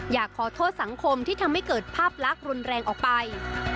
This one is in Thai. อยากขอโทษสังคมที่ทำให้เกิดภาพลักษณ์รุนแรงออกไป